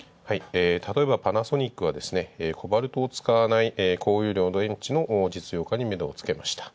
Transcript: たとえばパナソニックは、コバルトを使わない電池を実用化にメドをつけました。